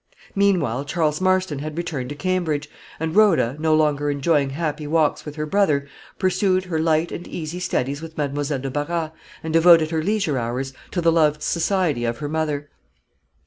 Meanwhile Charles Marston had returned to Cambridge; and Rhoda, no longer enjoying happy walks with her brother, pursued her light and easy studies with Mademoiselle de Barras, and devoted her leisure hours to the loved society of her mother.